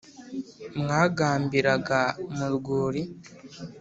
mwagambiraga mu rwuri